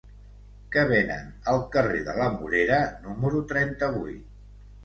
Què venen al carrer de la Morera número trenta-vuit?